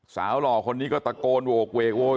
สวัสดีครับคุณผู้ชาย